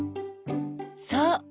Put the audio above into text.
そう。